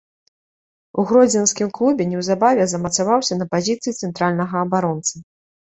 У гродзенскім клубе неўзабаве замацаваўся на пазіцыі цэнтральнага абаронцы.